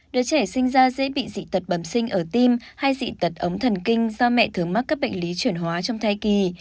đứa trẻ sinh ra dễ bị dị tật bầm sinh ở tim hay dị tật ống thần kinh do mẹ thường mắc các bệnh lý chuyển hóa trong thai kỳ